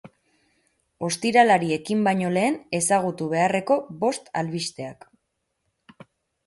Ostiralari ekin baino lehen ezagutu beharreko bost albisteak.